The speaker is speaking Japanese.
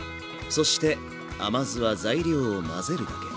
そして甘酢は材料を混ぜるだけ。